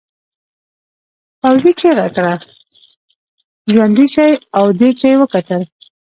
پوځي چیغه کړه ژوندي شئ او دېگ ته یې وکتل.